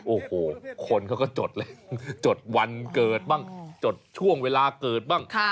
โอ้โหคนเขาก็จดเลยจดวันเกิดบ้างจดช่วงเวลาเกิดบ้าง